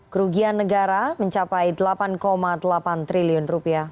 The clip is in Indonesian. kerugian negara mencapai rp delapan delapan triliun